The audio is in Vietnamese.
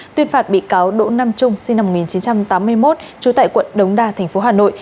tuyên phạt bị cáo đỗ nam trung sinh năm một nghìn chín trăm tám mươi một trú tại quận đống đa tp hà nội